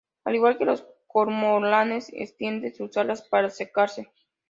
Al igual que los cormoranes, extiende sus alas para secarse.